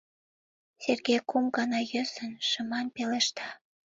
— Сергей кум гана йӧсын, шыман пелешта.